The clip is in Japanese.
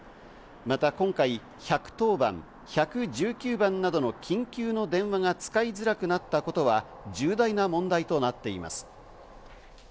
また今回、１１０番、１１９番などの緊急の電話が使いづらくなったことは重大な問題となっています。